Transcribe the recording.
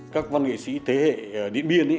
các văn nghệ sĩ thế hệ điện biên